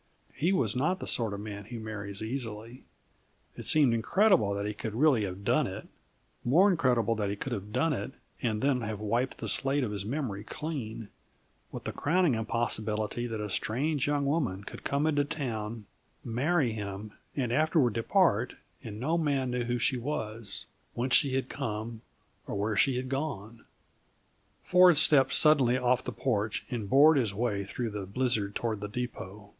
He was not the sort of man who marries easily. It seemed incredible that he could really have done it; more incredible that he could have done it and then have wiped the slate of his memory clean; with the crowning impossibility that a strange young woman could come into town, marry him, and afterward depart and no man know who she was, whence she had come, or where she had gone. Ford stepped suddenly off the porch and bored his way through the blizzard toward the depot.